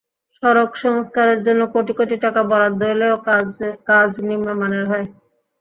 সড়ক সংস্কারের জন্য কোটি কোটি টাকা বরাদ্দ এলেও কাজ নিম্নমানের হয়।